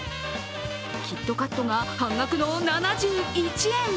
キットカットが、半額の７１円。